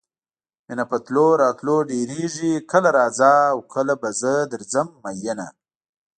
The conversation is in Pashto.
مینه په تلو راتلو ډېرېږي کله راځه او کله به زه درځم میینه.